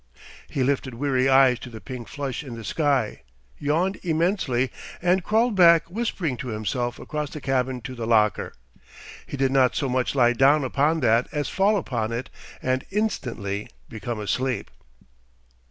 He lifted weary eyes to the pink flush in the sky, yawned immensely, and crawled back whispering to himself across the cabin to the locker. He did not so much lie down upon that as fall upon it and instantly become asleep.